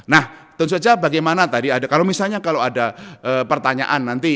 nah tentu saja bagaimana tadi ada kalau misalnya kalau ada pertanyaan nanti